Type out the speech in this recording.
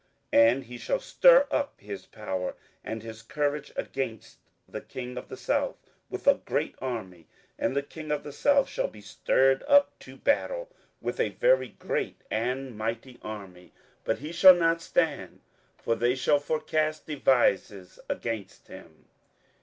27:011:025 And he shall stir up his power and his courage against the king of the south with a great army; and the king of the south shall be stirred up to battle with a very great and mighty army; but he shall not stand: for they shall forecast devices against him.